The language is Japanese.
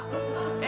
え？